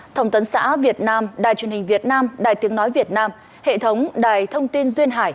thông tấn xã việt nam đài truyền hình việt nam đài tiếng nói việt nam hệ thống đài thông tin duyên hải